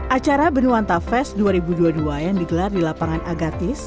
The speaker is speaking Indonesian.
acara benuanta fest dua ribu dua puluh dua yang digelar di lapangan agatis